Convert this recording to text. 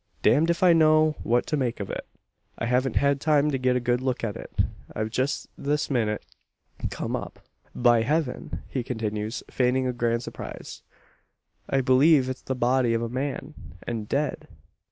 "Damned if I know what to make of it. I haven't had time to get a good look at it. I've just this minute come up. By heaven!" he continues, feigning a grand surprise, "I believe it's the body of a man; and dead!"